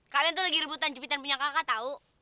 kalian tuh lagi rebutan jepitan punya kakak tahu